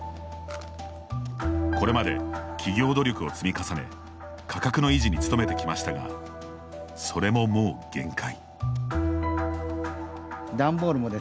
これまで企業努力を積み重ね価格の維持に努めてきましたがそれももう限界。